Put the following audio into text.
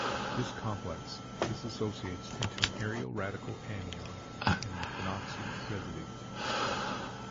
This complex dissociates into an aryl radical anion and a phenoxy residue.